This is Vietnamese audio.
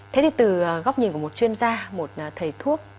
thế thì từ góc nhìn của một chuyên gia một thầy thuốc